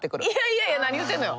いやいや何言うてんのよ。